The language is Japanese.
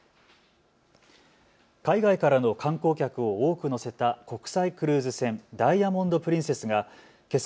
海外からの観光客を多く乗せた国際クルーズ船、ダイヤモンド・プリンセスがけさ